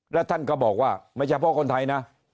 และท่านก็บอกว่าไม่ใช่เพราะคนไทยนะ